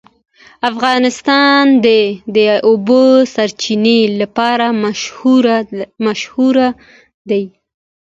افغانستان د د اوبو سرچینې لپاره مشهور دی.